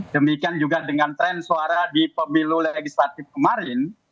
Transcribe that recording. demikian juga dengan tren suara di pemilu legislatif kemarin